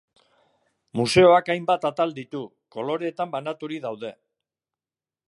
Museoak hainbat atal ditu, koloretan banaturik daude.